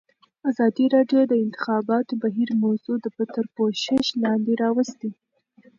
ازادي راډیو د د انتخاباتو بهیر موضوع تر پوښښ لاندې راوستې.